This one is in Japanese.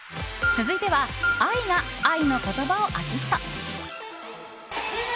続いては、ＡＩが愛の言葉をアシスト。